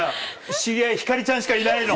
知り合い星ちゃんしかいないの？